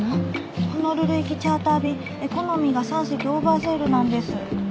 ホノルル行きチャーター便エコノミーが３席オーバーセールなんです。